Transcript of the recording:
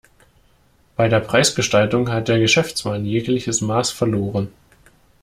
Bei der Preisgestaltung hat der Geschäftsmann jegliches Maß verloren.